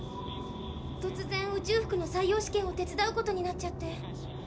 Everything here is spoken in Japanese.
とつぜん宇宙服の採用試験を手伝うことになっちゃって。